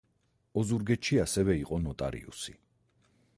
ოზურგეთში ასევე იყო ნოტარიუსი.